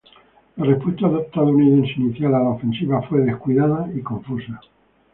La respuesta estadounidense inicial a la ofensiva fue descuidada y confusa.